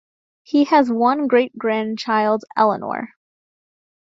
He has one great grandchild-Eleanor.